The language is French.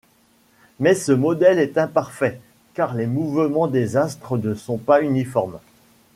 Mais ce modèle est imparfait car les mouvements des astres ne sont pas uniformes.